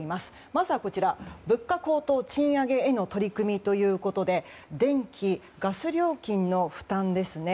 まずは、物価高騰・賃上げへの取り組みということで電気・ガス料金の負担ですね。